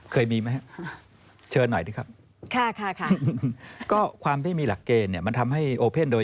เคยมีมั้ย